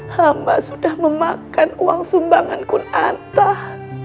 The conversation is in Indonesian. hamba sudah memakan uang sumbangan kun antoh